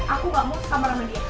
aku gak mau sama sama dia